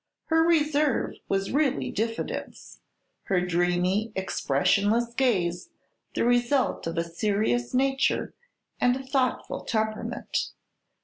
Her reserve was really diffidence; her dreamy, expressionless gaze the result of a serious nature and a thoughtful temperament.